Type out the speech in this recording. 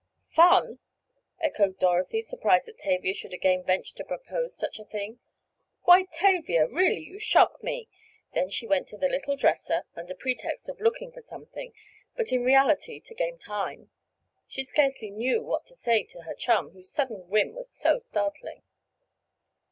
"Fun!" echoed Dorothy, surprised that Tavia should again venture to propose such a thing. "Why, Tavia! Really you shock me!" Then she went to the little dresser, under pretext of looking for something, but in reality to gain time—she scarcely knew what to say to her chum, whose sudden whim was so startling.